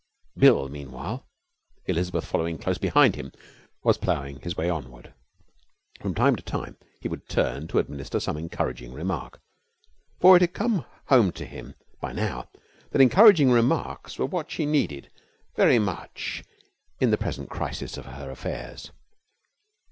Bill, meanwhile, Elizabeth following close behind him, was ploughing his way onward. From time to time he would turn to administer some encouraging remark, for it had come home to him by now that encouraging remarks were what she needed very much in the present crisis of her affairs.